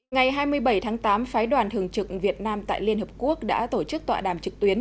ngày hai mươi bảy tháng tám phái đoàn thường trực việt nam tại liên hợp quốc đã tổ chức tọa đàm trực tuyến